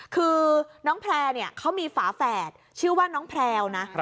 คือน้องแพลร์เนี่ยเขามีฝาแฝดชื่อว่าน้องแพลวนะ